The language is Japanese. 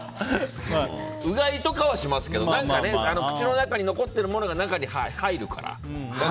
うがいとかはしますけど口の中に残っているものが中に入るから。